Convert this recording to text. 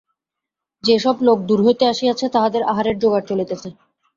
যে-সব লোক দূর হইতে আসিয়াছে তাহাদের আহারের জোগাড় চলিতেছে।